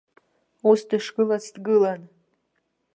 Ус дышгылац дгылан.